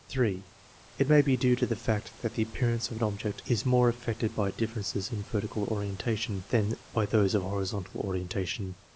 (3) It may be due to the fact that the appearance of an object is more affected by differences in vertical orientation than by those of horizontal orientation.